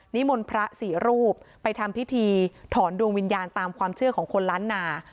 มนต์พระสี่รูปไปทำพิธีถอนดวงวิญญาณตามความเชื่อของคนล้านนา